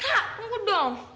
rangga tunggu dong